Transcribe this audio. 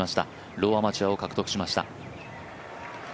ローアマチュアを獲得しました。